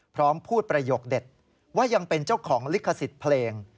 พร้อมพูดประโยคเด็ดว่ายังเป็นเจ้าของลิขสิทธิ์เพลง